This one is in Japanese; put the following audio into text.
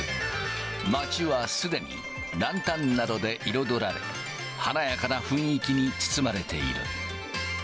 街はすでにランタンなどで彩られ、華やかな雰囲気に包まれている。